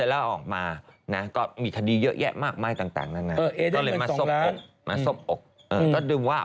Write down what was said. หวานเจี๊ยบและงะไก้อยู่แล้วกัน